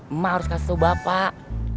emak harus kasih bapak